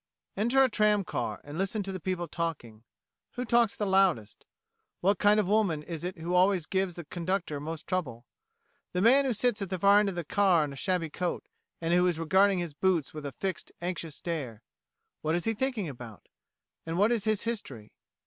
Enter a tram car and listen to the people talking. Who talks the loudest? What kind of woman is it who always gives the conductor most trouble? The man who sits at the far end of the car in a shabby coat, and who is regarding his boots with a fixed, anxious stare what is he thinking about? and what is his history?